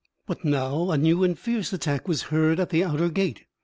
But now a new and fierce attack was heard at the outer gate.